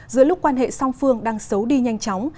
giữa lúc quan hệ song phương đang xấu đi nhanh chóng